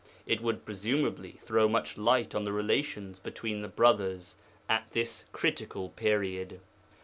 It would presumably throw much light on the relations between the brothers at this critical period.